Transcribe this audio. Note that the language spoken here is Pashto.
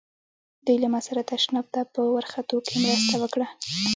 دوی له ما سره تشناب ته په ورختو کې مرسته وکړه.